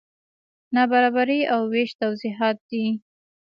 نابرابري او وېش توضیحات دي.